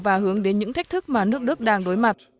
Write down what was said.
và hướng đến những thách thức mà nước đức đang đối mặt